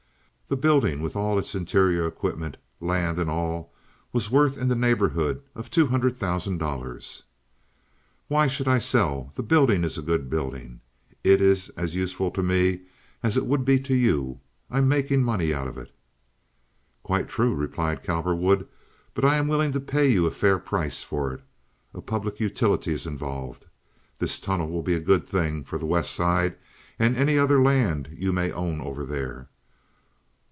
The building, with all its interior equipment, land, and all, was worth in the neighborhood of two hundred thousand dollars. "Why should I sell? The building is a good building. It's as useful to me as it would be to you. I'm making money out of it." "Quite true," replied Cowperwood, "but I am willing to pay you a fair price for it. A public utility is involved. This tunnel will be a good thing for the West Side and any other land you may own over there.